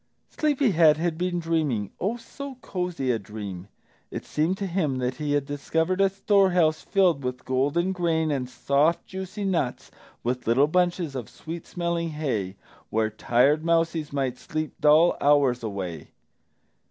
Sleepy head had been dreaming, oh, so cosy a dream! It seemed to him that he had discovered a storehouse filled with golden grain and soft juicy nuts with little bunches of sweet smelling hay, where tired mousies might sleep dull hours away.